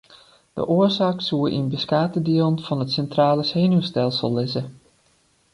De oarsaak soe yn beskate dielen fan it sintrale senuwstelsel lizze.